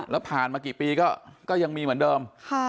แล้วผ่านมากี่ปีก็ยังมีเหมือนเดิม